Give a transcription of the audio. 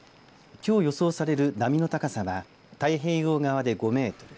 きょう予想される波の高さは太平洋側で５メートル